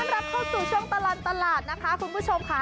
รับเข้าสู่ช่วงตลอดตลาดนะคะคุณผู้ชมค่ะ